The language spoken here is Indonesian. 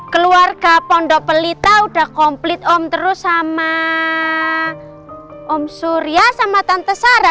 keluarga pondok pelita udah komplit om terus sama om surya sama tante sarah